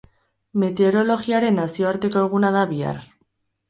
Meterologiaren nazioarteko eguna da bihar.